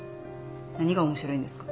何が面白いんですか？